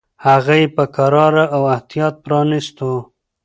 هغه یې په کراره او احتیاط پرانیستو.